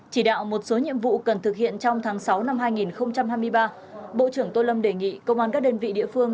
chỉ đạo một số nhiệm vụ cần thực hiện trong tháng sáu năm hai nghìn hai mươi ba bộ trưởng tô lâm đề nghị công an các đơn vị địa phương